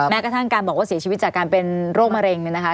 กระทั่งการบอกว่าเสียชีวิตจากการเป็นโรคมะเร็งเนี่ยนะคะ